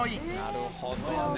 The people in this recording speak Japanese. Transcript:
なるほどね。